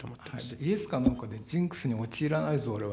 イエスかノーかで、ジンクスに陥らないぞ、俺は。